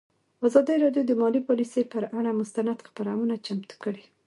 ازادي راډیو د مالي پالیسي پر اړه مستند خپرونه چمتو کړې.